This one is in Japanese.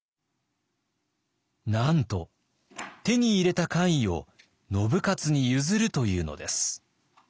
なんと手に入れた官位を信雄に譲るというのです。